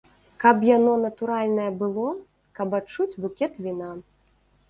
Каб яно натуральнае было, каб адчуць букет віна.